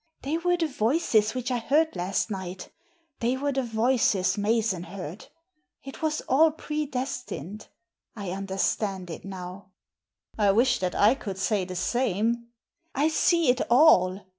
"They were the voices which I heard last night They were the voices Mason heard. It was all pre destined. I understand it now." " I wish that I could say the same." "I see it all!"